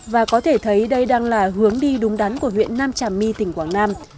và có thể thấy đây đang là hướng đi đúng đắn của huyện nam trà my tỉnh quảng nam